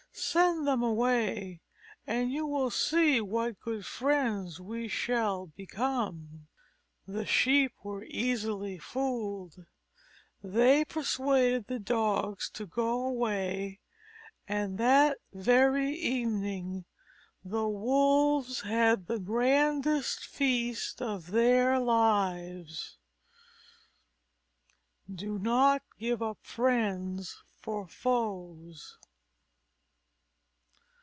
Send them away and you will see what good friends we shall become." The Sheep were easily fooled. They persuaded the Dogs to go away, and that very evening the Wolves had the grandest feast of their lives. _Do not give up friends for foes.